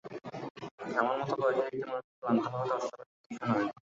আমার মতো বয়সের একটি মানুষের ক্লান্ত হওয়াটা অস্বাভাবিক কিছু নয়।